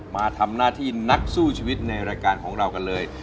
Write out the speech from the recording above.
มาทำหน้าที่นักสู้ชีวิตในรายการของเรากันเลย